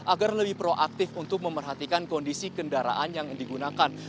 agar lebih proaktif untuk memperhatikan kondisi kendaraan yang digunakan